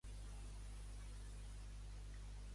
És impossible de tronar amb hàbit laminar.